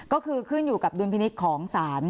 ก็คือขึ้นอยู่กับดุลพินิษฐ์ของศาล